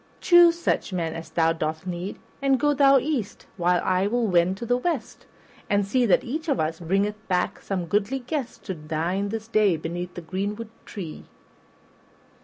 Choose such men as thou dost need, and go thou east while I will wend to the west, and see that each of us bringeth back some goodly guest to dine this day beneath the greenwood tree."